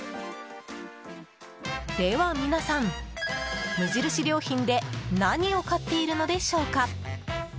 では皆さん、無印良品で何を買っているのでしょうか。